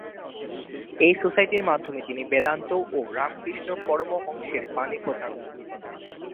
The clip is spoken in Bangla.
এই সোসাইটির মাধ্যমে তিনি বেদান্ত ও রামকৃষ্ণ পরমহংসের বাণী প্রচার করতেন।